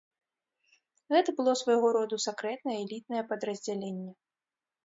Гэта было свайго роду сакрэтнае элітнае падраздзяленне.